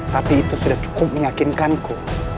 tapi itu sudah cukup meyakinkanku